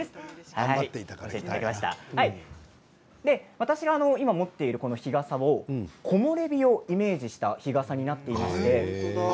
私が今、持っている日傘は木漏れ日をイメージしたものになっています。